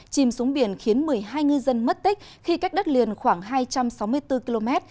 chìm xuống biển khiến một mươi hai ngư dân mất tích khi cách đất liền khoảng hai trăm sáu mươi bốn km